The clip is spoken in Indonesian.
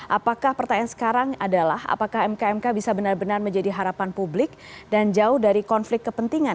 apakah pertanyaan sekarang adalah apakah mk mk bisa benar benar menjadi harapan publik dan jauh dari konflik kepentingan